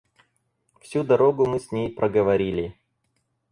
Всю дорогу мы с ней проговорили.